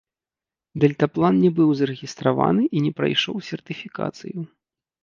Дэльтаплан не быў зарэгістраваны і не прайшоў сертыфікацыю.